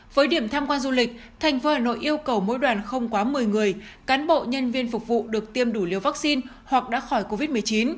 với điểm tham quan du lịch thành phố hà nội yêu cầu mỗi đoàn không quá một mươi người cán bộ nhân viên phục vụ được tiêm đủ liều vaccine hoặc đã khỏi covid một mươi chín